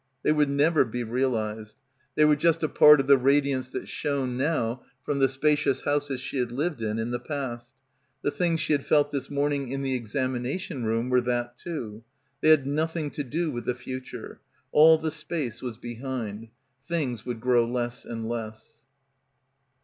They would never be realised. They were just a part of the radi ance that shone now from the spacious houses she had lived in in the past. The things she had felt this morning in the examination room were that, too. They had nothing to do with the future. All the space was behind. Things would grow less and less.